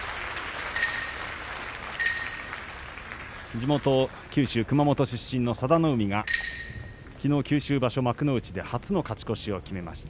地元、九州熊本出身の佐田の海きのう、九州場所幕内で初の勝ち越しを決めました。